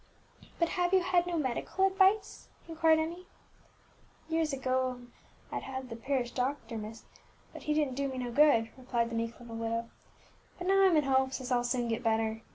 "But have you had no medical advice?" inquired Emmie. "Years agone I'd the parish doctor, miss; but he didn't do me no good," replied the meek little widow. "But now I'm in hopes as I'll soon get better.